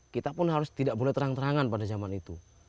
kita pun harus tidak boleh terang terangan pada zaman itu